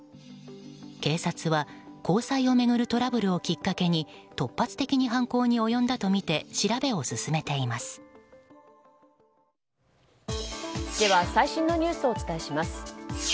警察は交際を巡るトラブルをきっかけに突発的に犯行に及んだとみて最新のニュースをお伝えします。